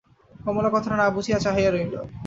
কমলা কথাটা না বুঝিয়া চাহিয়া রহিল।